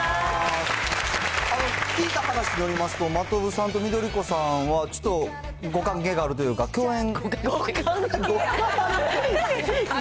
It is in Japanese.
聞いた話によりますと、真飛さんと緑子さんは、ちょっと、ご関係があるというか、共演。